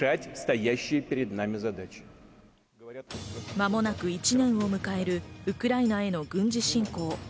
間もなく１年を迎えるウクライナへの軍事侵攻。